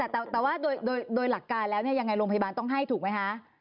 แต่ว่าโดยหลักการแล้วยังไงโรงพยาบาลต้องให้ถูกไหมคะ